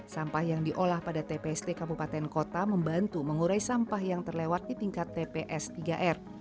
sampah yang diolah pada tpst kabupaten kota membantu mengurai sampah yang terlewat di tingkat tps tiga r